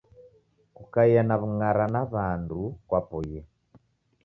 Kukaia na w'ung'ara na wandu kwapoie